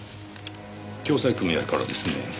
共済組合からですねぇ。